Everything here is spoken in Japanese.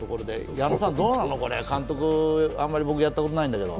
矢野さん、どうなのこれ、僕あんまり監督やったことないけど？